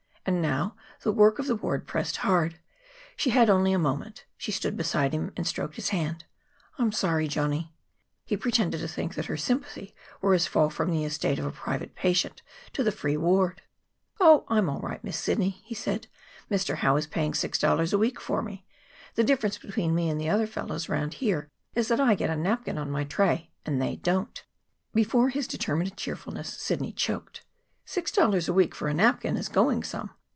And now the work of the ward pressed hard. She had only a moment. She stood beside him and stroked his hand. "I'm sorry, Johnny." He pretended to think that her sympathy was for his fall from the estate of a private patient to the free ward. "Oh, I'm all right, Miss Sidney," he said. "Mr. Howe is paying six dollars a week for me. The difference between me and the other fellows around here is that I get a napkin on my tray and they don't." Before his determined cheerfulness Sidney choked. "Six dollars a week for a napkin is going some.